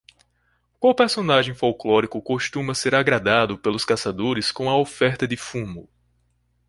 Qual personagem folclórico costuma ser agradado pelos caçadores com a oferta de fumo?